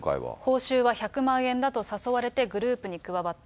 報酬は１００万円だと誘われてグループに加わった。